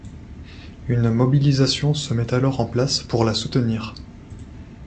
Une mobilisation se met alors en place pour la soutenir.